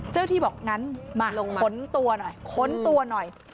เจ้าหน้าที่บอกงั้นมาขนตัวหน่อย